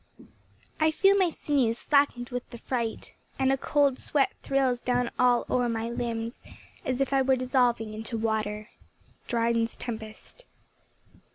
"I feel my sinews slacken'd with the fright, And a cold sweat thrills down all o'er my limbs, As if I were dissolving into water." DRYDEN'S TEMPEST.